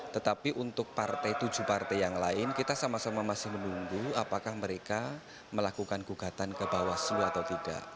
tetapi untuk tujuh partai yang lain kita sama sama masih menunggu apakah mereka melakukan gugatan ke bawaslu atau tidak